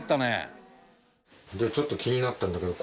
ちょっと気になったんだけど